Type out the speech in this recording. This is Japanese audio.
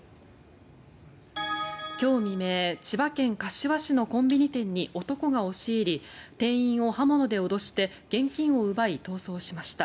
今日未明、千葉県柏市のコンビニ店に男が押し入り店員を刃物で脅して現金を奪い逃走しました。